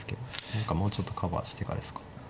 何かもうちょっとカバーしてからですか。